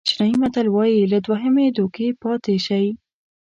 چینایي متل وایي له دوهمې دوکې پاتې شئ.